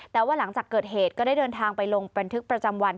แต่ว่าหลังจากเกิดเหตุก็ได้เดินทางไปลงบันทึกประจำวัน